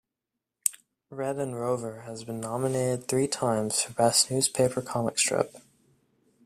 Red and Rover has been nominated three times for Best Newspaper Comic Strip.